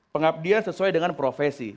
pengabdian sesuai dengan profesi